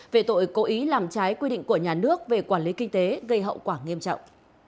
về tội cố ý làm trái quy định của nhà nước về quản lý kinh tế gây hậu quả nghiêm trọng